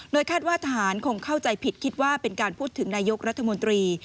คาดว่าทหารคงเข้าใจผิดคิดว่าเป็นการพูดถึงนายกรัฐมนตรี